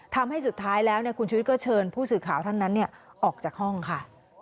ทำให้สุดท้ายแล้วคุณชุวิตก็เชิญผู้สื่อข่าวท่านนั้นออกจากห้องค่ะ